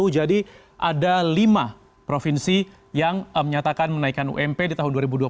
jadi ada lima provinsi yang menyatakan menaikan ump di tahun dua ribu dua puluh satu